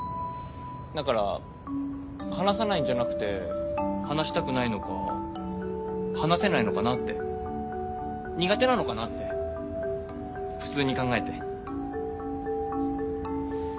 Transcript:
だから話さないんじゃなくて話したくないのか話せないのかなって苦手なのかなってフツーに考えて。